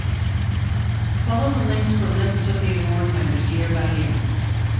Follow the links for lists of the award winners, year by year.